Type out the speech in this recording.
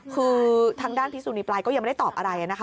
คือทางด้านพิสุนีปลายก็ยังไม่ได้ตอบอะไรนะคะ